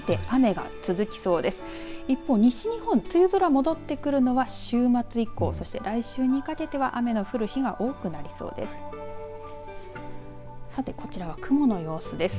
戻ってくるのは週末以降、そして来週にかけては雨の降る日が多くなりそうです。